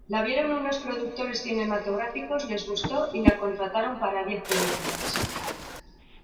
La vieron unos productores cinematográficos, les gustó y la contrataron para diez películas.